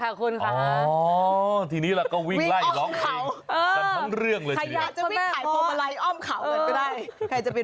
อย่างนี้ดิฉันรู้ว่าต้องเล่นเรื่องอะไร